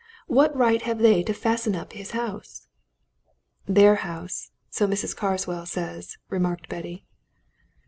What right have they to fasten up his house?" "Their house so Mrs. Carswell says," remarked Betty.